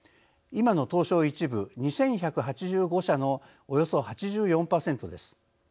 今の東証１部２，１８５社のおよそ８４％です。